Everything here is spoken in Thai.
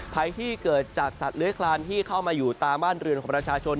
ภัยที่เกิดจากสัตว์เลื้อยคลานที่เข้ามาอยู่ตามบ้านเรือนของประชาชน